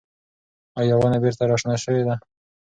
ایا ونه بېرته راشنه شوې ده؟